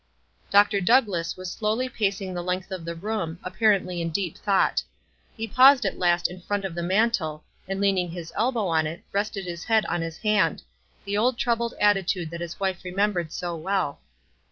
Dr. Douglass was slowly pacing the length of the room, apparently in deep thought. He paused at last in front of the mantel, and lean ing his elbow on it, rested his head on his hand — the old troubled attitude that his wife remem bered so well.